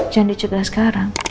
jangan dicudah sekarang